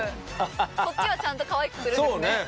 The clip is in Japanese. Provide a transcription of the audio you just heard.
こっちはちゃんとかわいくするんですね。